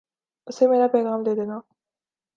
اسے میرا پیغام دے دینا